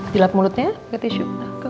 dilap mulutnya pakai tisu